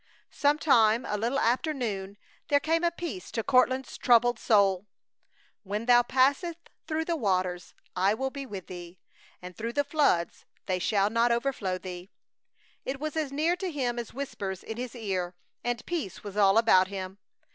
Some time a little after noon there came a peace to Courtland's troubled soul. When thou passest through the waters I will be with thee, and through the floods they shall not overflow thee! It was as near to him as whispers in his ear, and peace was all about him.